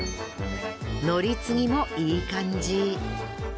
乗り継ぎもいい感じ。